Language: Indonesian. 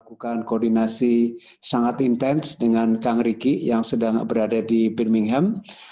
kita lakukan koordinasi sangat intens dengan kang riki yang sedang berada di birmingham